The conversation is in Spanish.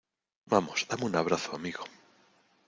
vamos, dame un abrazo , amigo.